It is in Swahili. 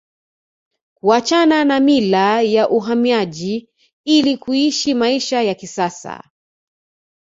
Kuachana na mila ya uhamaji ili kuishi maisha ya kisasa